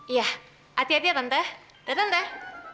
iya hati hati ya tante datang teh